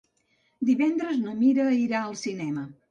Divendres na Mira irà al cinema.